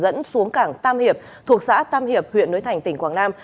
dẫn xuống cảng tam hiệp thuộc xã tam hiệp huyện núi thành tỉnh quảng nam